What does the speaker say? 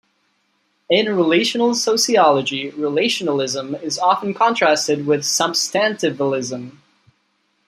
In relational sociology, relationalism is often contrasted with substantivalism.